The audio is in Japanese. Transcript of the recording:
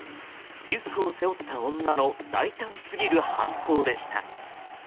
リュックを背負った女の大胆すぎる犯行でした。